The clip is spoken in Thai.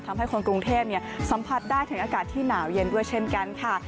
ทำให้คนกรุงเทพสัมผัสได้ถึงอากาศที่หนาวเย็นด้วยเช่นกันค่ะ